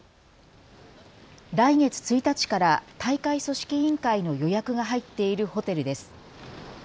来月１日から大会組織委員会の予約が入っているホテルです。